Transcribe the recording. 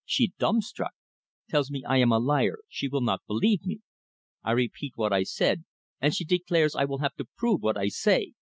She dumbstruck. Tells me I am a liar, she will not believe. I repeat what I said, and she declares I will have to prove what I say.